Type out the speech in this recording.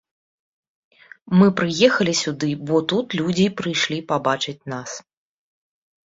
Мы прыехалі сюды, бо тут людзі прыйшлі пабачыць нас.